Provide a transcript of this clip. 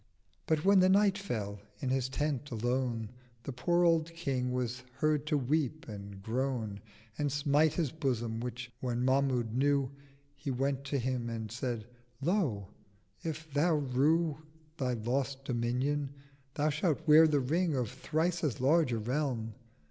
But when the Night fell, in his Tent alone The poor old King was heard to weep and groan And smite his Bosom; which, when Mahmud knew, He went to him and said 'Lo, if Thou rue Thy lost Dominion, Thou shalt wear the Ring Of thrice as large a Realm.'